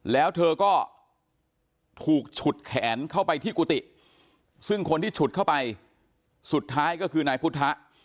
แล้วเธอก็ถูกฉุดแขนเข้าไปที่กุฏิซึ่งคนที่ฉุดเข้าไปสุดท้ายก็คือนายพุทธะ